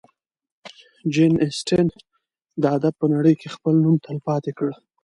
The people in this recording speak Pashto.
جین اسټن د ادب په نړۍ کې خپل نوم تلپاتې کړ.